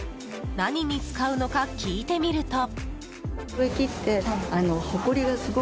何に使うのか聞いてみると。